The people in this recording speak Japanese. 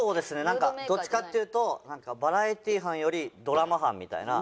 なんかどっちかっていうとバラエティー班よりドラマ班みたいな。